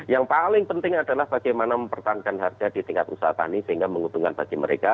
yang paling penting adalah bagaimana mempertahankan harga di tingkat usaha tani sehingga menguntungkan bagi mereka